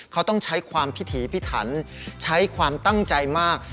เขาต้องใช้ความพิถีพิถันใช้ความตั้งใจมาก